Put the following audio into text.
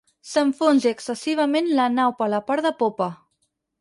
S'enfonsi excessivament la nau per la part de popa.